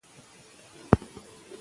عادلانه پرېکړې شخړې راکموي.